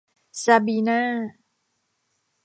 ซาบีน่า